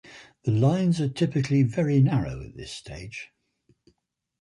The lines are typically very narrow at this stage.